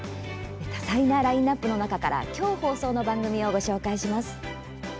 多彩なラインナップの中から今日、放送の番組をご紹介します。